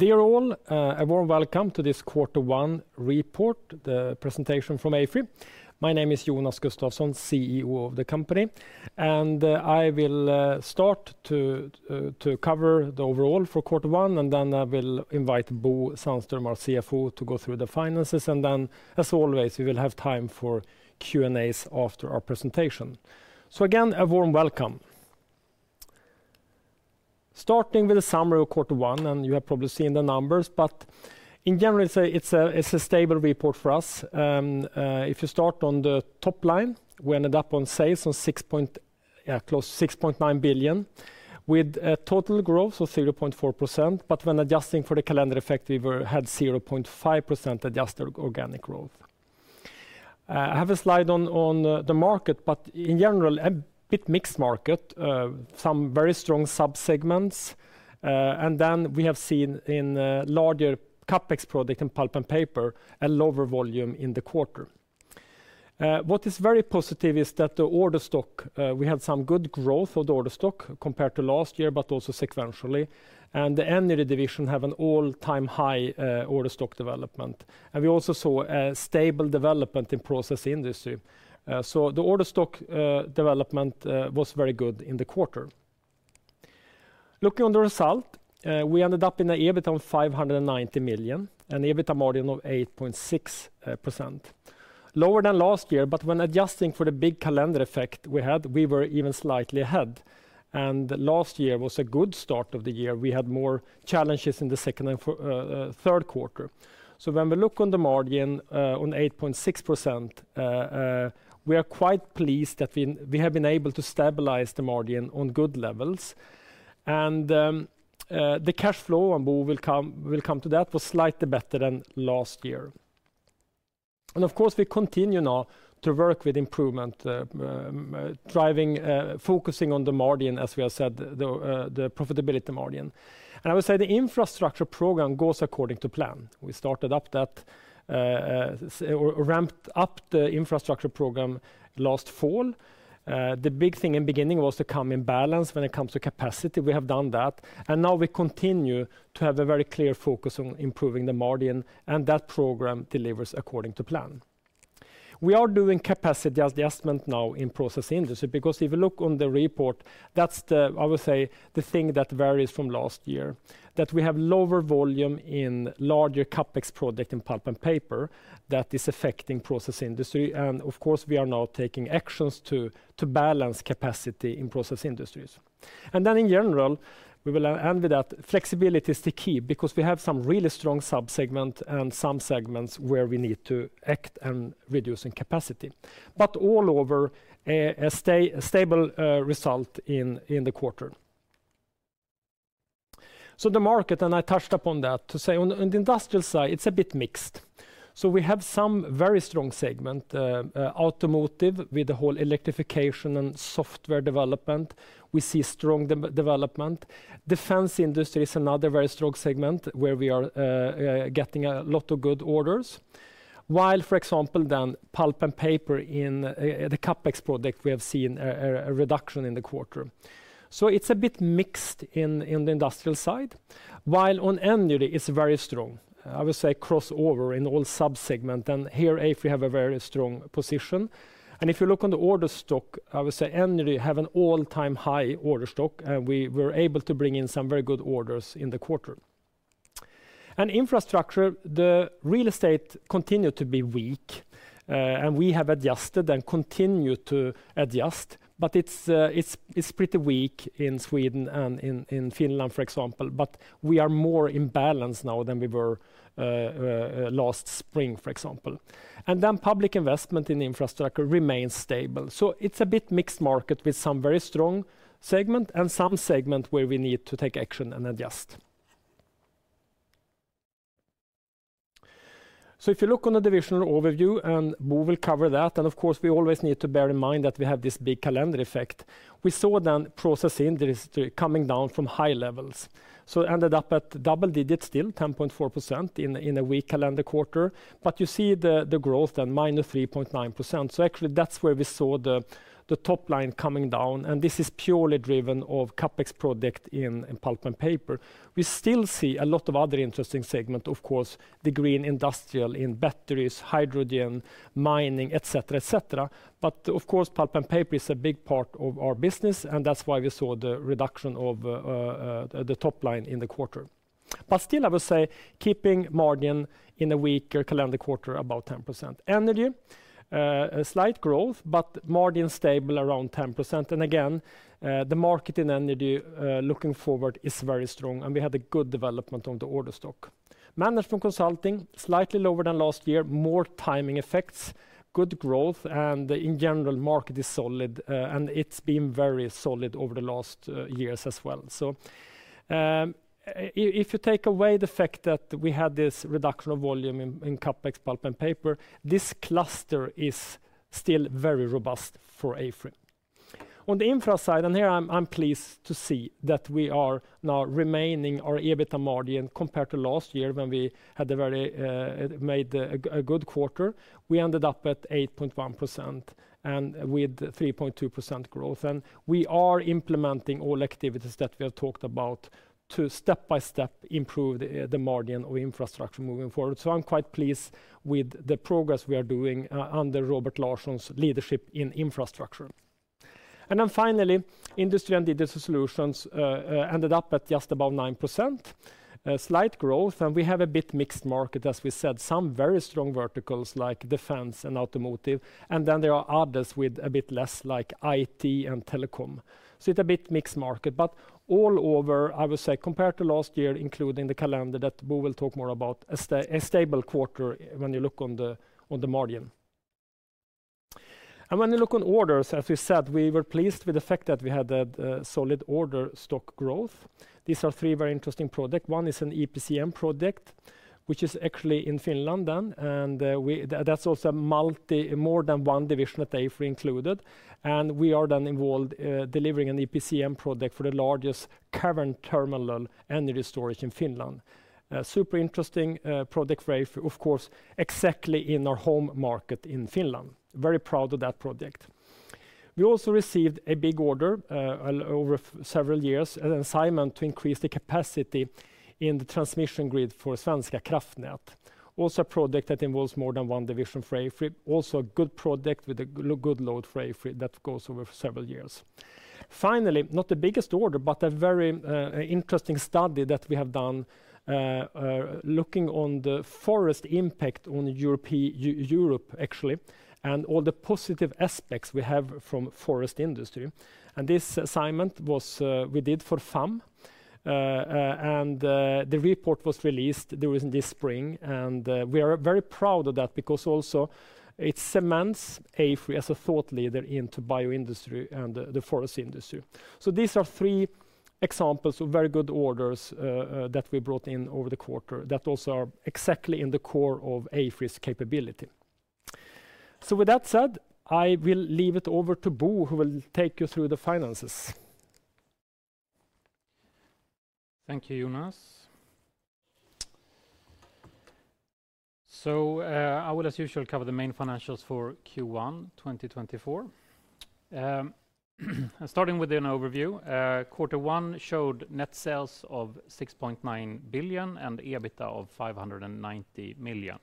Dear all, a warm welcome to this quarter one report, the presentation from AFRY. My name is Jonas Gustavsson, CEO of the company, and I will start to cover the overall for quarter one, and then I will invite Bo Sandström, our CFO, to go through the finances. And then, as always, we will have time for Q&As after our presentation. So again, a warm welcome. Starting with a summary of quarter one, and you have probably seen the numbers, but in general, it's a stable report for us. If you start on the top line, we ended up on sales on close to 6.9 billion, with total growth of 0.4%, but when adjusting for the calendar effect, we had 0.5% adjusted organic growth. I have a slide on the market, but in general, a bit mixed market. Some very strong sub-segments, and then we have seen in larger CapEx projects in pulp and paper, a lower volume in the quarter. What is very positive is that the order stock, we had some good growth for the order stock compared to last year, but also sequentially. And the energy division have an all-time high order stock development. And we also saw a stable development in Process Industries. So the order stock development was very good in the quarter. Looking on the result, we ended up in an EBITDA of 590 million, an EBITDA margin of 8.6%. Lower than last year, but when adjusting for the big calendar effect we had, we were even slightly ahead, and last year was a good start of the year. We had more challenges in the second and third quarter. So when we look on the margin, on 8.6%, we are quite pleased that we have been able to stabilize the margin on good levels. And the cash flow, and Bo will come to that, was slightly better than last year. And of course, we continue now to work with improvement, driving, focusing on the margin, as we have said, the profitability margin. And I would say the Infrastructure program goes according to plan. We started up that, or ramped up the Infrastructure program last fall. The big thing in beginning was to come in balance when it comes to capacity. We have done that, and now we continue to have a very clear focus on improving the margin, and that program delivers according to plan. We are doing capacity adjustment now in Process Industries, because if you look on the report, that's the, I would say, the thing that varies from last year, that we have lower volume in larger CapEx project in pulp and paper that is affecting Process Industries. And of course, we are now taking actions to balance capacity in Process Industries. And then in general, we will end with that, flexibility is the key because we have some really strong sub-segment and some segments where we need to act and reducing capacity. But all over, a stable result in the quarter. So the market, and I touched upon that, to say on the industrial side, it's a bit mixed. So we have some very strong segment, automotive, with the whole electrification and software development, we see strong development. Defense industry is another very strong segment where we are getting a lot of good orders. While, for example, pulp and paper in the CapEx project, we have seen a reduction in the quarter. So it's a bit mixed in the industrial side, while on energy, it's very strong. I would say crossover in all sub-segment, and here, AFRY have a very strong position. And if you look on the order stock, I would say energy have an all-time high order stock, and we were able to bring in some very good orders in the quarter. And infrastructure, the real estate continued to be weak, and we have adjusted and continue to adjust, but it's pretty weak in Sweden and in Finland, for example, but we are more in balance now than we were last spring, for example. And then public investment in infrastructure remains stable. So it's a bit mixed market with some very strong segment and some segment where we need to take action and adjust. So if you look on the divisional overview, and Bo will cover that, and of course, we always need to bear in mind that we have this big calendar effect. We saw then Process Industries coming down from high levels, so ended up at double-digit, still 10.4% in a weak calendar quarter, but you see the growth then -3.9%. So actually, that's where we saw the top line coming down, and this is purely driven of CapEx project in pulp and paper. We still see a lot of other interesting segment, of course, the green industrial in batteries, hydrogen, mining, et cetera, et cetera. But of course, pulp and paper is a big part of our business, and that's why we saw the reduction of the top line in the quarter. But still, I would say, keeping margin in a weaker calendar quarter, about 10%. Energy, a slight growth, but margin stable around 10%. And again, the market in energy, looking forward, is very strong, and we had a good development on the order stock. Management Consulting, slightly lower than last year, more timing effects, good growth, and in general, market is solid, and it's been very solid over the last years as well. So, if you take away the fact that we had this reduction of volume in CapEx pulp and paper, this cluster is still very robust for AFRY. On the infra side, and here I'm pleased to see that we are now remaining our EBITDA margin compared to last year when we had a very good quarter. We ended up at 8.1% and with 3.2% growth, and we are implementing all activities that we have talked about to step by step improve the margin of infrastructure moving forward. So I'm quite pleased with the progress we are doing under Robert Larsson's leadership in Infrastructure. And then finally, Industrial & Digital Solutions ended up at just about 9%, slight growth, and we have a bit mixed market, as we said. Some very strong verticals like defense and automotive, and then there are others with a bit less, like IT and telecom. So it's a bit mixed market, but all over, I would say, compared to last year, including the calendar that Bo will talk more about, a stable quarter when you look on the margin. And when you look on orders, as we said, we were pleased with the fact that we had a solid order stock growth. These are three very interesting project. One is an EPCM project, which is actually in Finland then, and we... That, that's also a multi more than one division at AFRY included, and we are then involved delivering an EPCM project for the largest cavern thermal energy storage in Finland. Super interesting project for AFRY, of course, exactly in our home market in Finland. Very proud of that project. We also received a big order over several years, an assignment to increase the capacity in the transmission grid for Svenska kraftnät. Also, a project that involves more than one division for AFRY. Also, a good project with a good load for AFRY that goes over several years. Finally, not the biggest order, but a very interesting study that we have done looking on the forest impact on Europe, Europe, actually, and all the positive aspects we have from forest industry. This assignment was we did for FAM and the report was released this spring and we are very proud of that because also it cements AFRY as a thought leader in the bio industry and the forest industry. So these are three examples of very good orders that we brought in over the quarter that also are exactly in the core of AFRY's capability. So with that said, I will leave it over to Bo, who will take you through the finances. Thank you, Jonas. So, I will, as usual, cover the main financials for Q1 2024. Starting with an overview, quarter one showed net sales of 6.9 billion and EBITDA of 590 million.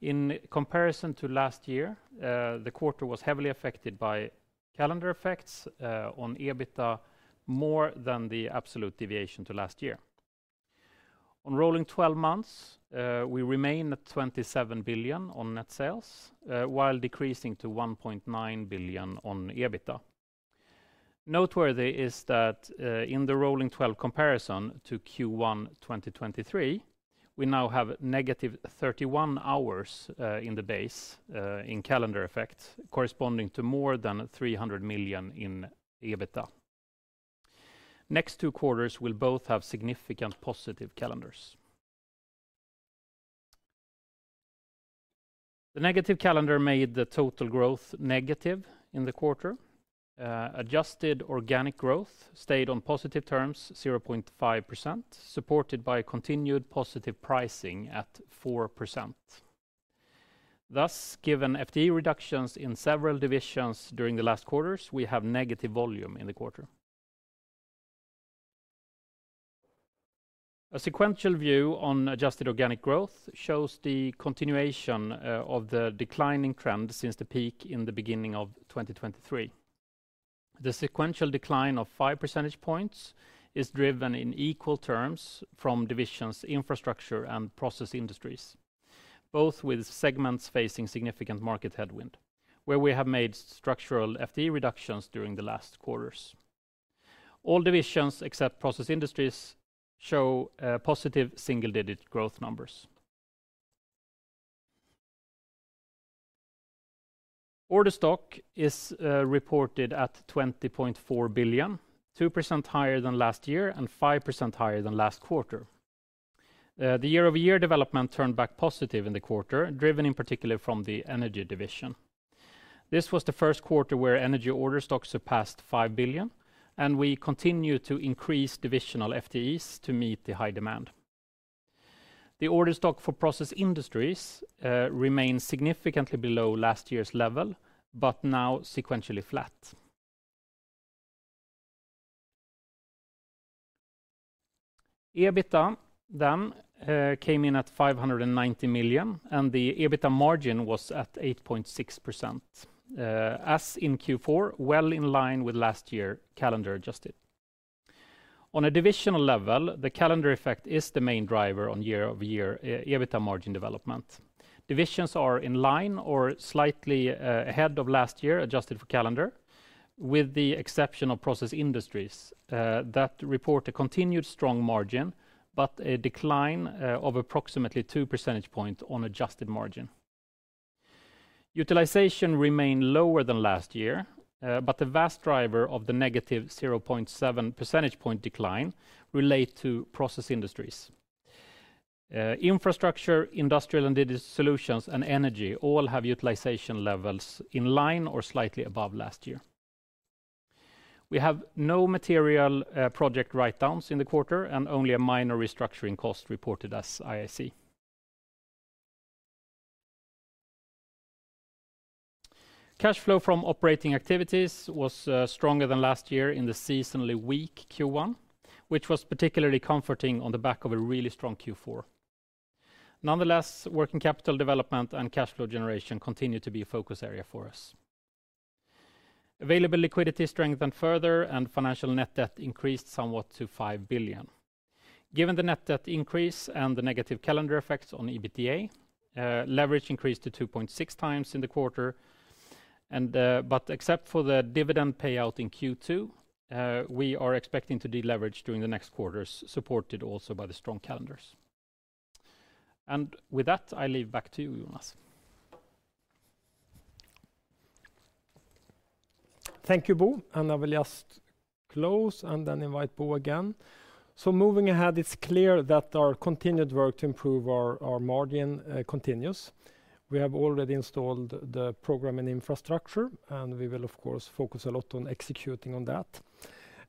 In comparison to last year, the quarter was heavily affected by calendar effects on EBITDA, more than the absolute deviation to last year. On rolling twelve months, we remain at 27 billion on net sales, while decreasing to 1.9 billion on EBITDA. Noteworthy is that, in the rolling twelve comparison to Q1 2023, we now have -31 hours in the base in calendar effects, corresponding to more than 300 million in EBITDA. Next two quarters will both have significant positive calendars. The negative calendar made the total growth negative in the quarter. Adjusted organic growth stayed on positive terms, 0.5%, supported by continued positive pricing at 4%. Thus, given FTE reductions in several divisions during the last quarters, we have negative volume in the quarter. A sequential view on adjusted organic growth shows the continuation of the declining trend since the peak in the beginning of 2023. The sequential decline of five percentage points is driven in equal terms from divisions, Infrastructure and Process Industries, both with segments facing significant market headwind, where we have made structural FTE reductions during the last quarters. All divisions, except Process Industries, show positive single-digit growth numbers. Order stock is reported at 20.4 billion, 2% higher than last year and 5% higher than last quarter. The year-over-year development turned back positive in the quarter, driven in particular from the Energy division. This was the first quarter where Energy order stock surpassed 5 billion, and we continue to increase divisional FTEs to meet the high demand. The order stock for Process Industries remains significantly below last year's level, but now sequentially flat. EBITDA then came in at 590 million, and the EBITDA margin was at 8.6%, as in Q4, well in line with last year, calendar adjusted. On a divisional level, the calendar effect is the main driver on year-over-year EBITDA margin development. Divisions are in line or slightly ahead of last year, adjusted for calendar, with the exception of Process Industries that report a continued strong margin, but a decline of approximately two percentage point on adjusted margin. Utilization remained lower than last year, but the vast driver of the negative 0.7 percentage point decline relate to Process Industries. Infrastructure, Industrial and Digital Solutions, and Energy all have utilization levels in line or slightly above last year. We have no material project write-downs in the quarter, and only a minor restructuring cost reported as IAC. Cash flow from operating activities was stronger than last year in the seasonally weak Q1, which was particularly comforting on the back of a really strong Q4. Nonetheless, working capital development and cash flow generation continue to be a focus area for us. Available liquidity strengthened further, and financial net debt increased somewhat to 5 billion. Given the net debt increase and the negative calendar effects on EBITDA, leverage increased to 2.6 times in the quarter, and, but except for the dividend payout in Q2, we are expecting to deleverage during the next quarters, supported also by the strong calendars. With that, I leave back to you, Jonas. Thank you, Bo, and I will just close and then invite Bo again. So moving ahead, it's clear that our continued work to improve our margin continues. We have already installed the program and infrastructure, and we will of course focus a lot on executing on that.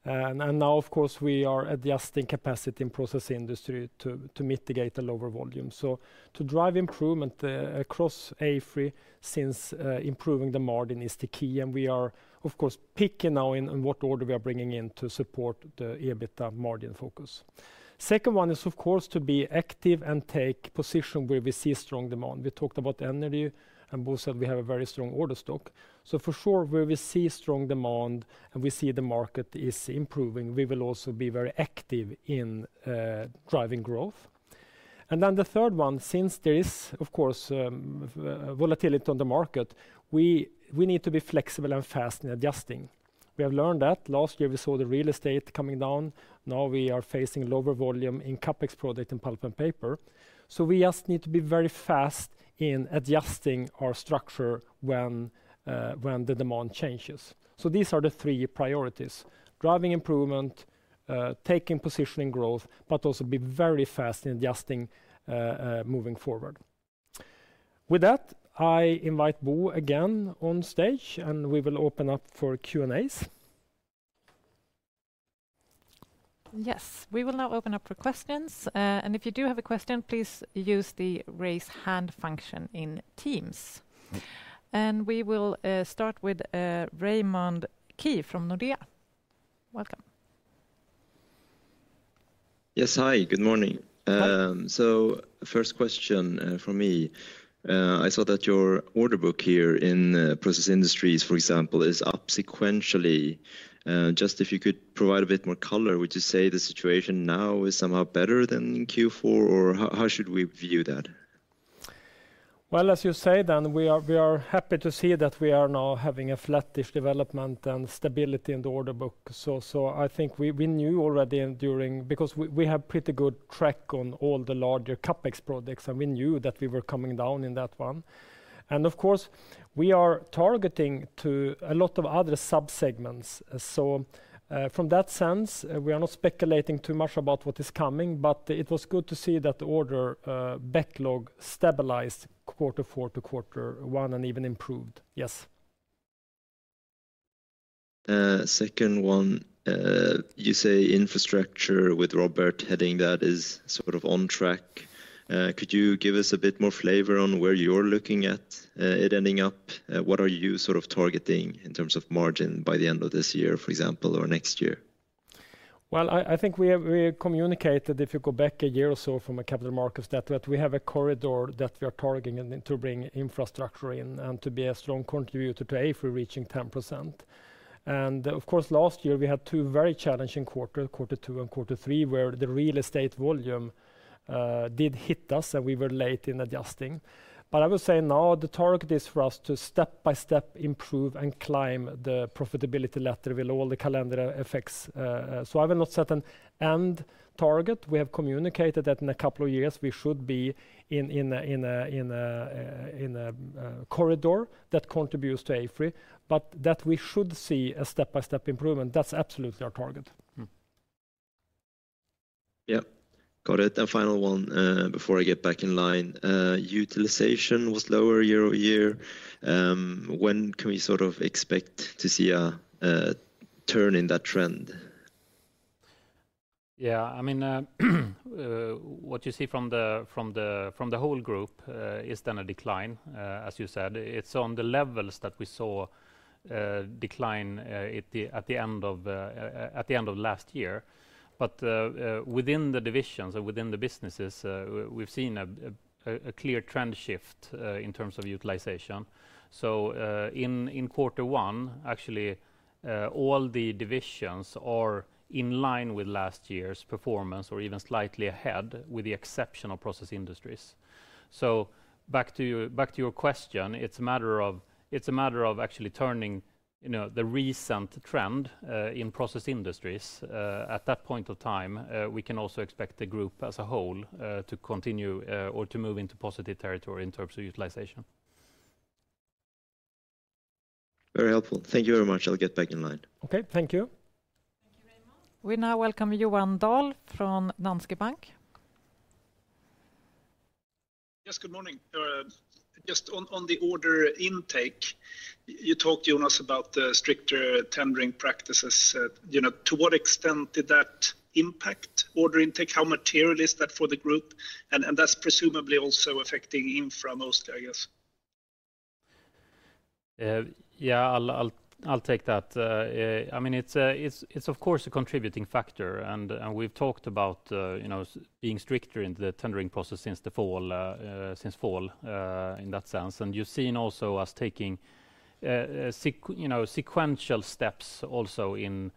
And now, of course, we are adjusting capacity in Process Industries to mitigate the lower volume. So to drive improvement across AFRY, since improving the margin is the key, and we are, of course, picking now in what order we are bringing in to support the EBITDA margin focus. Second one is, of course, to be active and take position where we see strong demand. We talked about Energy, and Bo said we have a very strong order stock. So for sure, where we see strong demand, and we see the market is improving, we will also be very active in driving growth. And then the third one, since there is, of course, volatility on the market, we need to be flexible and fast in adjusting. We have learned that. Last year, we saw the real estate coming down. Now, we are facing lower volume in CapEx projects and pulp and paper. So we just need to be very fast in adjusting our structure when the demand changes. So these are the three priorities: driving improvement, taking positioning growth, but also be very fast in adjusting, moving forward. With that, I invite Bo again on stage, and we will open up for Q&As. Yes, we will now open up for questions. If you do have a question, please use the raise hand function in Teams. We will start with Raymond Ke from Nordea. Welcome. Yes, hi. Good morning. So first question from me. I saw that your order book here in Process Industries, for example, is up sequentially. Just if you could provide a bit more color, would you say the situation now is somehow better than Q4, or how should we view that? Well, as you say, then, we are happy to see that we are now having a flat-ish development and stability in the order book. So, I think we knew already during... Because we have pretty good track on all the larger CapEx projects, and we knew that we were coming down in that one. And of course, we are targeting to a lot of other subsegments. So, from that sense, we are not speculating too much about what is coming, but it was good to see that the order backlog stabilized quarter four to quarter one, and even improved. Yes. Second one, you say infrastructure with Robert heading that is sort of on track. Could you give us a bit more flavor on where you're looking at it ending up? What are you sort of targeting in terms of margin by the end of this year, for example, or next year? Well, I think we have communicated, if you go back a year or so from a capital markets, that we have a corridor that we are targeting to bring infrastructure in and to be a strong contributor to AFRY reaching 10%. And of course, last year, we had two very challenging quarter, quarter two and quarter three, where the real estate volume did hit us, and we were late in adjusting. But I will say now, the target is for us to step by step improve and climb the profitability ladder with all the calendar effects. So I will not set an end target. We have communicated that in a couple of years, we should be in a corridor that contributes to AFRY, but that we should see a step-by-step improvement. That's absolutely our target. Yeah. Got it. And final one, before I get back in line, utilization was lower year-over-year. When can we sort of expect to see a turn in that trend? Yeah, I mean, what you see from the whole group is then a decline, as you said. It's on the levels that we saw decline at the end of last year. But within the divisions or within the businesses, we've seen a clear trend shift in terms of utilization. So, in quarter one, actually, all the divisions are in line with last year's performance or even slightly ahead, with the exception of Process Industries. So back to your question, it's a matter of actually turning, you know, the recent trend in Process Industries. At that point of time, we can also expect the group as a whole to continue or to move into positive territory in terms of utilization.... Very helpful. Thank you very much. I'll get back in line. Okay. Thank you, Raymond. We now welcome Johan Dahl from Danske Bank. Yes, good morning. Just on, on the order intake, you talked, Jonas, about the stricter tendering practices. You know, to what extent did that impact order intake? How material is that for the group? And, and that's presumably also affecting infra mostly, I guess. Yeah, I'll take that. I mean, it's of course a contributing factor, and we've talked about, you know, being stricter in the tendering process since the fall, in that sense. And you've seen also us taking sequential steps also in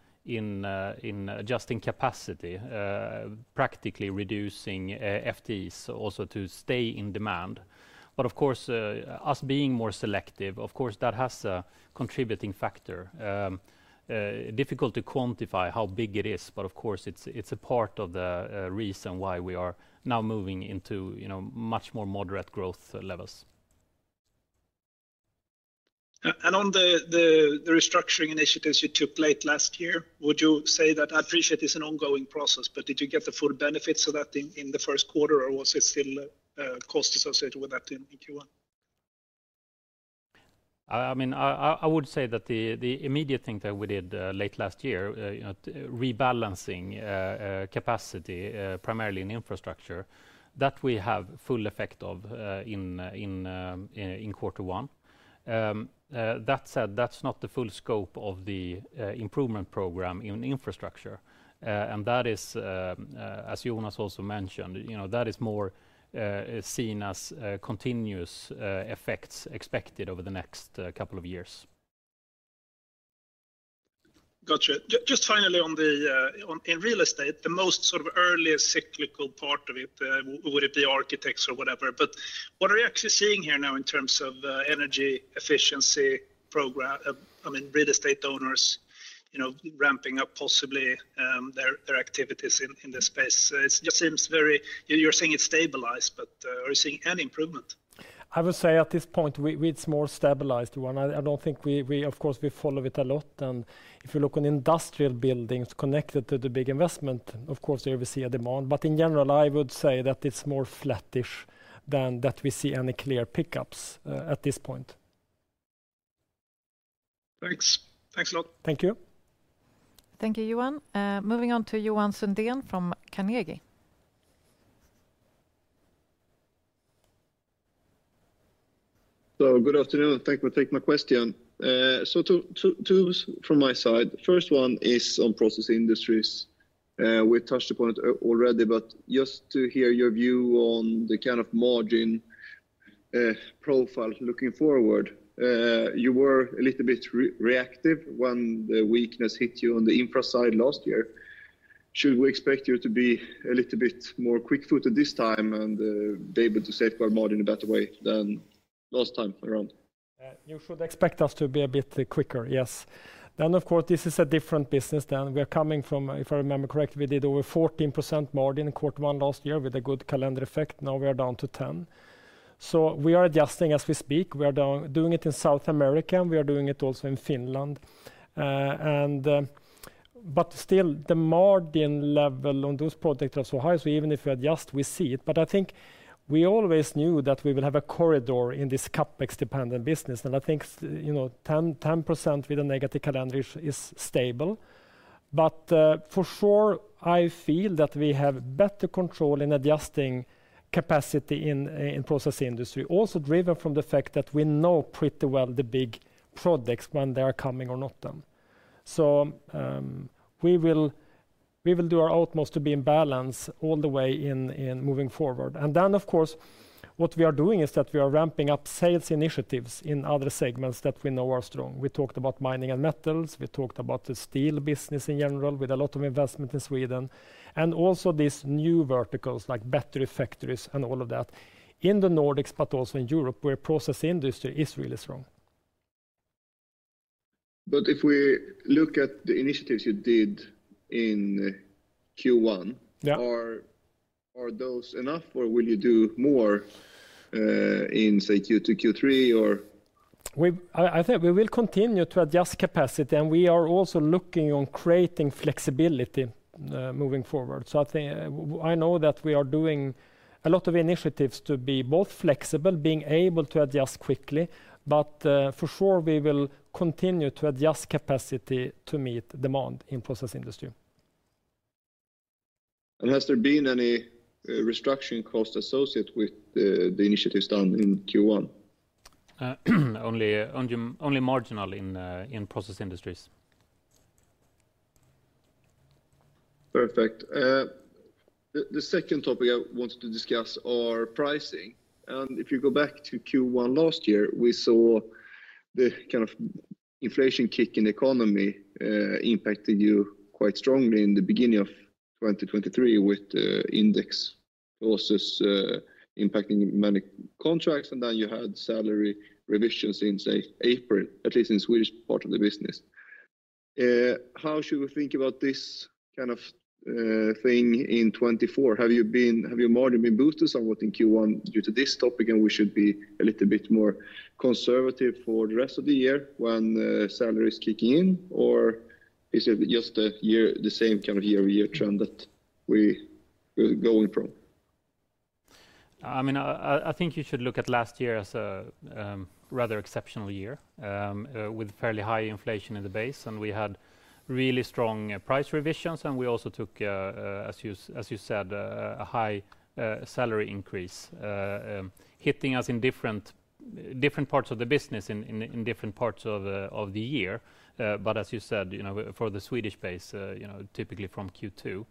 adjusting capacity, practically reducing FTEs also to stay in demand. But of course, us being more selective, of course, that has a contributing factor. Difficult to quantify how big it is, but of course, it's a part of the reason why we are now moving into, you know, much more moderate growth levels. And on the restructuring initiatives you took late last year, would you say that I appreciate it's an ongoing process, but did you get the full benefits of that in the first quarter, or was it still cost associated with that in Q1? I mean, I would say that the immediate thing that we did late last year, you know, rebalancing capacity primarily in infrastructure, that we have full effect of in quarter one. That said, that's not the full scope of the improvement program in infrastructure. And that is, as Jonas also mentioned, you know, that is more seen as continuous effects expected over the next couple of years. Gotcha. Just finally on the one in real estate, the most sort of earliest cyclical part of it, would it be architects or whatever? But what are you actually seeing here now in terms of energy efficiency program? I mean, real estate owners, you know, ramping up possibly their activities in this space. It just seems very... You're saying it's stabilized, but are you seeing any improvement? I would say at this point, it's more stabilized, one. I don't think we, of course, we follow it a lot, and if you look on industrial buildings connected to the big investment, of course, we will see a demand. But in general, I would say that it's more flattish than that we see any clear pickups at this point. Thanks. Thanks a lot. Thank you. Thank you, Johan. Moving on to Johan Sundén from Carnegie. So good afternoon, and thank you for taking my question. So two from my side. First one is on process industries. We touched upon it already, but just to hear your view on the kind of margin profile looking forward. You were a little bit reactive when the weakness hit you on the infra side last year. Should we expect you to be a little bit more quick-footed this time and be able to save our margin in a better way than last time around? You should expect us to be a bit quicker, yes. Then, of course, this is a different business than we are coming from. If I remember correctly, we did over 14% margin in quarter one last year with a good calendar effect. Now we are down to 10. So we are adjusting as we speak. We are doing it in South America, and we are doing it also in Finland. But still, the margin level on those projects are so high, so even if we adjust, we see it. But I think we always knew that we will have a corridor in this CapEx-dependent business. And I think you know, 10, 10% with a negative calendar is, is stable. But, for sure, I feel that we have better control in adjusting capacity in, in Process Industry. Also driven from the fact that we know pretty well the big projects when they are coming or not coming. So, we will, we will do our utmost to be in balance all the way in, in moving forward. Then, of course, what we are doing is that we are ramping up sales initiatives in other segments that we know are strong. We talked about mining and metals. We talked about the steel business in general, with a lot of investment in Sweden. Also these new verticals, like battery factories and all of that, in the Nordics, but also in Europe, where process industry is really strong. If we look at the initiatives you did in Q1- Yeah... are those enough, or will you do more in, say, Q2, Q3, or? I think we will continue to adjust capacity, and we are also looking on creating flexibility, moving forward. So I think I know that we are doing a lot of initiatives to be both flexible, being able to adjust quickly, but for sure, we will continue to adjust capacity to meet demand in Process Industries. Has there been any restructuring cost associated with the initiatives done in Q1? Only marginal in Process Industries. Perfect. The second topic I wanted to discuss are pricing. If you go back to Q1 last year, we saw the kind of inflation kick in the economy, impacted you quite strongly in the beginning of 2023 with the index forces, impacting many contracts, and then you had salary revisions in, say, April, at least in Swedish part of the business. How should we think about this kind of thing in 2024? Have you been, have your margin been boosted somewhat in Q1 due to this topic, and we should be a little bit more conservative for the rest of the year when salary is kicking in? Or is it just a year, the same kind of year-over-year trend that we, we're going from? I mean, I think you should look at last year as a rather exceptional year, with fairly high inflation in the base, and we had really strong price revisions, and we also took, as you said, a high salary increase hitting us in different parts of the business, in different parts of the year. But as you said, you know, for the Swedish base, you know, typically from Q2.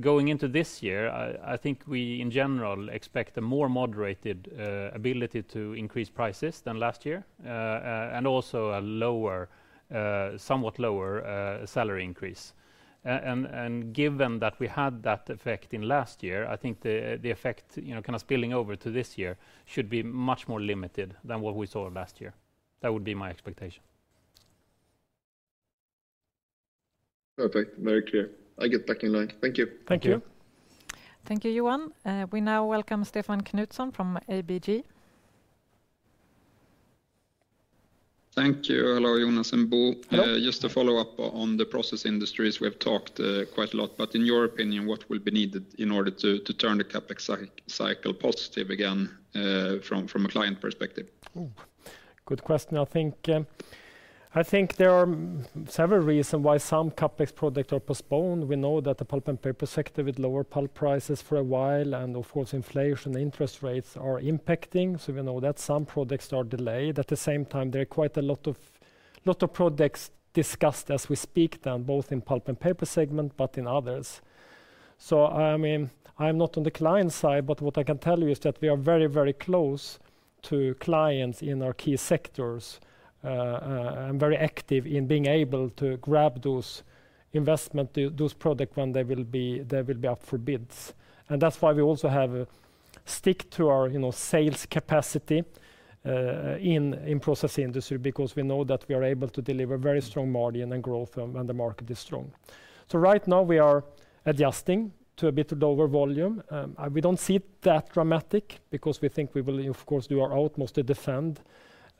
Going into this year, I think we, in general, expect a more moderated ability to increase prices than last year. And also a somewhat lower salary increase. given that we had that effect in last year, I think the effect, you know, kind of spilling over to this year, should be much more limited than what we saw last year. That would be my expectation. Okay, very clear. I get back in line. Thank you. Thank you. Thank you, Johan. We now welcome Stefan Knutsson from ABG. Thank you. Hello, Jonas and Bo. Hello. Just to follow up on the Process Industries, we have talked quite a lot, but in your opinion, what will be needed in order to turn the CapEx cycle positive again from a client perspective? Oh, good question. I think, I think there are several reasons why some CapEx projects are postponed. We know that the pulp and paper sector, with lower pulp prices for a while, and of course, inflation, interest rates are impacting, so we know that some projects are delayed. At the same time, there are quite a lot of projects discussed as we speak, both in pulp and paper segment, but in others. So I mean, I'm not on the client side, but what I can tell you is that we are very, very close to clients in our key sectors, and very active in being able to grab those investments, those projects when they will be, they will be up for bids. And that's why we also have stick to our, you know, sales capacity in Process Industries, because we know that we are able to deliver very strong margin and growth when the market is strong. So right now, we are adjusting to a bit lower volume. We don't see it that dramatic because we think we will, of course, do our utmost to defend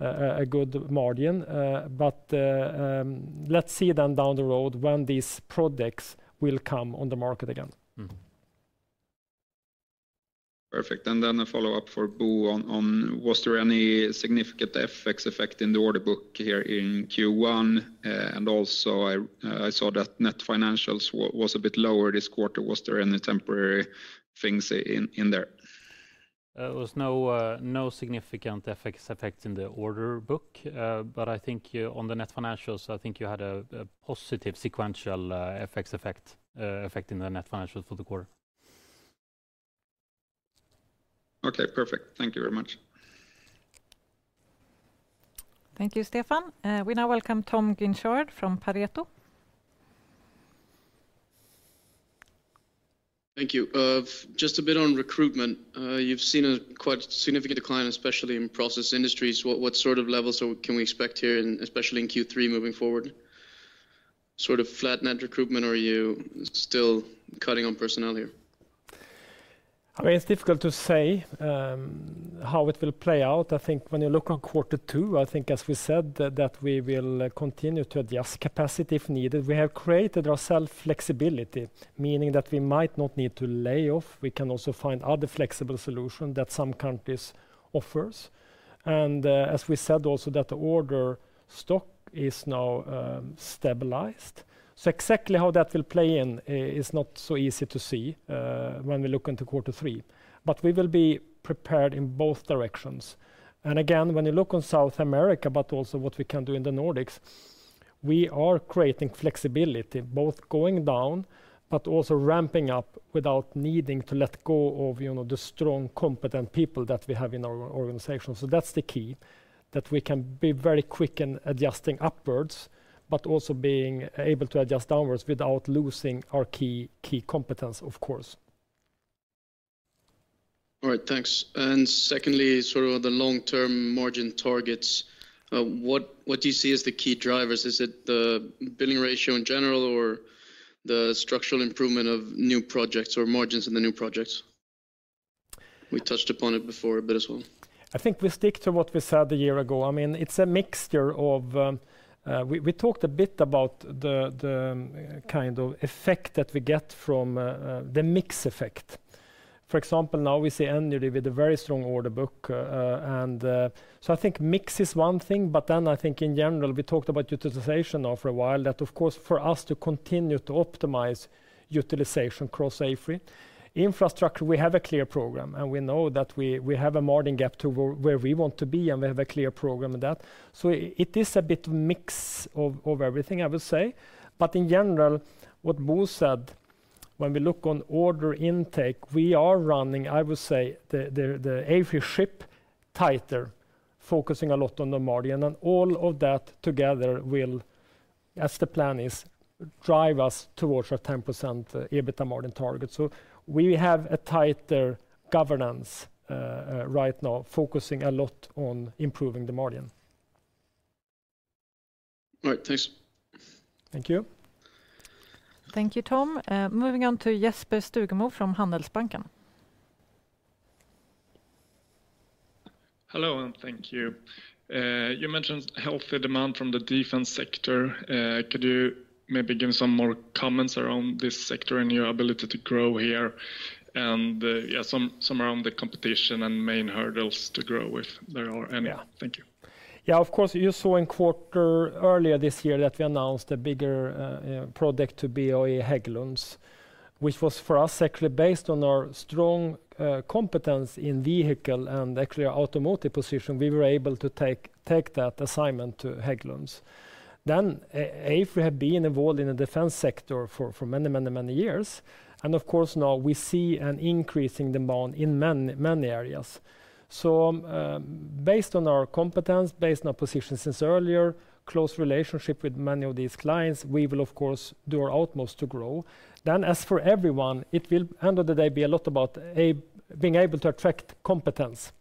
a good margin. But let's see then down the road when these products will come on the market again. Mm-hmm. Perfect. And then a follow-up for Bo on... Was there any significant FX effect in the order book here in Q1? And also I saw that net financials was a bit lower this quarter. Was there any temporary things in there? There was no significant FX effect in the order book. But I think, yeah, on the net financials, I think you had a positive sequential FX effect affecting the net financials for the quarter. Okay, perfect. Thank you very much. Thank you, Stefan. We now welcome Tom Skogman from Pareto. Thank you. Just a bit on recruitment. You've seen a quite significant decline, especially in Process Industries. What sort of levels can we expect here, and especially in Q3 moving forward? Sort of flat net recruitment, or are you still cutting on personnel here? I mean, it's difficult to say how it will play out. I think when you look on quarter two, I think, as we said, that we will continue to adjust capacity if needed. We have created ourselves flexibility, meaning that we might not need to lay off. We can also find other flexible solution that some countries offers. And, as we said, also, that the order stock is now stabilized. So exactly how that will play in is not so easy to see when we look into quarter three, but we will be prepared in both directions. And again, when you look on South America, but also what we can do in the Nordics, we are creating flexibility, both going down, but also ramping up without needing to let go of, you know, the strong, competent people that we have in our organization. That's the key, that we can be very quick in adjusting upwards, but also being able to adjust downwards without losing our key, key competence, of course. All right, thanks. And secondly, sort of the long-term margin targets, what, what do you see as the key drivers? Is it the billing ratio in general, or the structural improvement of new projects or margins in the new projects? We touched upon it before, but as well. I think we stick to what we said a year ago. I mean, it's a mixture of... We talked a bit about the kind of effect that we get from the mix effect. For example, now we see Energy with a very strong order book, so I think mix is one thing, but then I think in general, we talked about utilization now for a while. That, of course, for us to continue to optimize utilization across AFRY. Infrastructure, we have a clear program, and we know that we have a margin gap to where we want to be, and we have a clear program in that. So it is a bit mix of everything, I would say. But in general, what Bo said, when we look on order intake, we are running, I would say, the AFRY ship tighter, focusing a lot on the margin. And all of that together will, as the plan is, drive us towards our 10% EBITDA margin target. So we have a tighter governance right now, focusing a lot on improving the margin.... All right, thanks. Thank you. Thank you, Tom. Moving on to Jesper Skogum from Handelsbanken. Hello, and thank you. You mentioned healthy demand from the defense sector. Could you maybe give some more comments around this sector and your ability to grow here? And, yeah, some around the competition and main hurdles to grow, if there are any. Yeah. Thank you. Yeah, of course, you saw in quarter earlier this year that we announced a bigger project to BAE Hägglunds, which was for us actually based on our strong competence in vehicle and actually automotive position, we were able to take that assignment to Hägglunds. Then, as we have been involved in the defense sector for many, many, many years, and of course, now we see an increase in demand in many, many areas. So, based on our competence, based on our position since earlier, close relationship with many of these clients, we will of course do our utmost to grow. Then as for everyone, it will, end of the day, be a lot about being able to attract competence.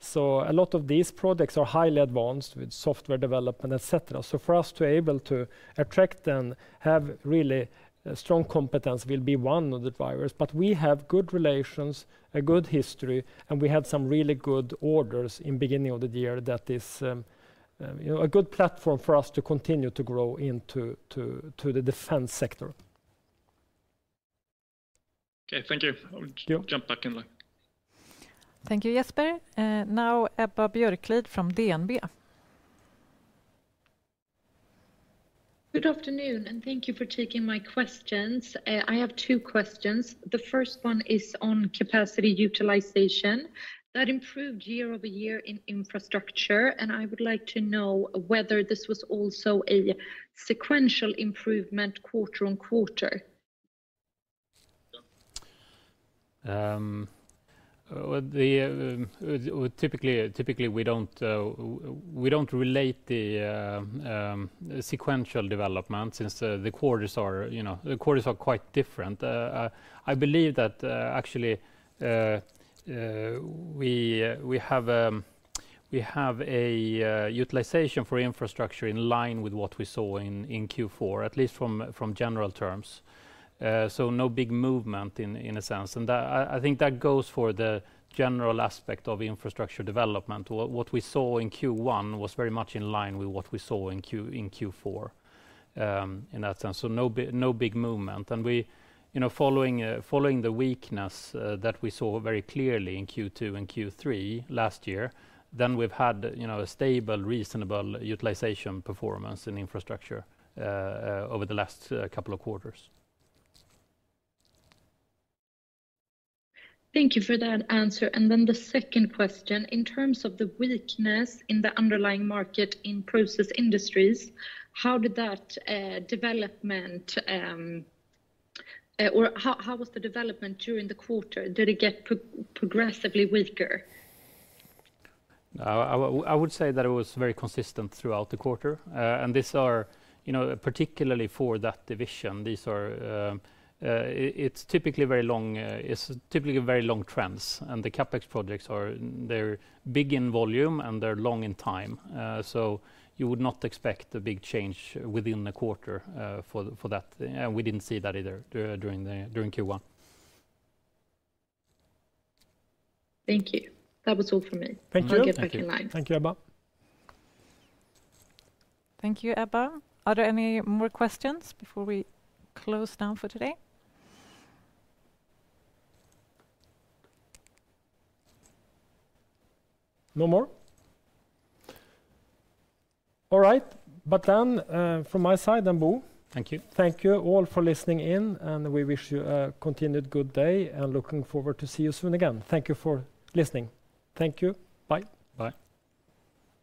So a lot of these products are highly advanced with software development, et cetera. So for us to able to attract and have really strong competence will be one of the drivers, but we have good relations, a good history, and we had some really good orders in beginning of the year that is, you know, a good platform for us to continue to grow into the defense sector. Okay, thank you. Thank you. I'll jump back in line. Thank you, Jesper. Now Ebba Björklid from DNB. Good afternoon, and thank you for taking my questions. I have two questions. The first one is on capacity utilization. That improved year-over-year in Infrastructure, and I would like to know whether this was also a sequential improvement quarter-over-quarter? Well, typically we don't relate the sequential development since the quarters are, you know, the quarters are quite different. I believe that actually we have a utilization for Infrastructure in line with what we saw in Q4, at least from general terms. So no big movement in a sense. And that I think that goes for the general aspect of Infrastructure development. What we saw in Q1 was very much in line with what we saw in Q4 in that sense, so no big movement. And we, you know, following the weakness that we saw very clearly in Q2 and Q3 last year, then we've had, you know, a stable, reasonable utilization performance in Infrastructure over the last couple of quarters. Thank you for that answer. And then the second question, in terms of the weakness in the underlying market in Process Industries, how did that development, or how was the development during the quarter? Did it get progressively weaker? I would say that it was very consistent throughout the quarter. And these are, you know, particularly for that division, these are, it's typically very long trends, and the CapEx projects are, they're big in volume, and they're long in time. So you would not expect a big change within the quarter, for that, and we didn't see that either, during Q1. Thank you. That was all for me. Thank you. Thank you, Ebba. Thank you, Ebba. Are there any more questions before we close down for today? No more? All right. But then, from my side, I'm Bo. Thank you. Thank you all for listening in, and we wish you a continued good day, and looking forward to see you soon again. Thank you for listening. Thank you. Bye. Bye.